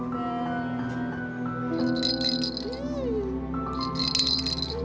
tuk tuk tuk